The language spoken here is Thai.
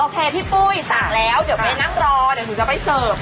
เดี๋ยวหนูจะไปเสิร์ฟ